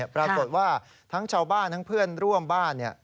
ปรากฏว่าทั้งชาวบ้านทั้งเพื่อนร่วมบ้าน